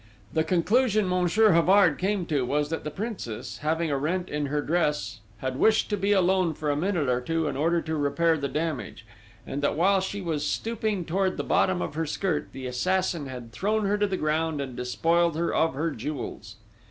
The conclusion Monsieur Havard came to was, that the Princess having a rent in her dress had wished to be alone for a minute or two in order to repair the damage, and that while she was stooping towards the bottom of her skirt the assassin had thrown her to the ground and despoiled her of her jewels.